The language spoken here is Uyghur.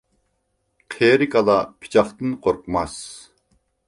قېرى كالا پىچاقتىن قورقماس.